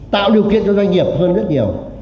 tạo điều kiện cho doanh nghiệp hơn rất nhiều